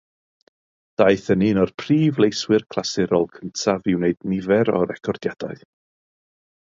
Daeth yn un o'r prif leiswyr clasurol cyntaf i wneud nifer o recordiadau.